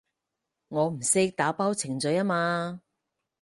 我唔識打包程序吖嘛